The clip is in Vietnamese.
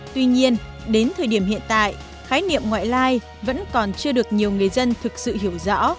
tuy nhiên đến thời điểm hiện tại khái niệm ngoại lai vẫn còn chưa được nhiều người dân thực sự hiểu rõ